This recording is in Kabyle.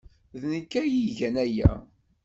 D nekk ay igan aya.